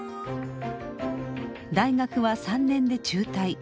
大学は３年で中退。